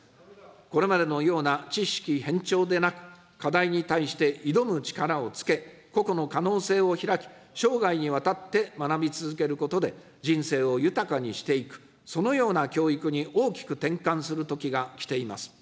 これまでのような知識偏重でなく、課題に対して挑む力をつけ、個々の可能性を開き、生涯にわたって学び続けることで、人生を豊かにしていく、そのような教育に大きく転換する時が来ています。